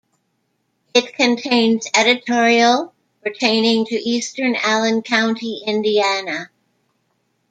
It contains editorial pertaining to Eastern Allen County, Indiana.